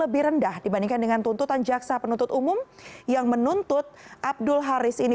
bagaimana menurut pak arif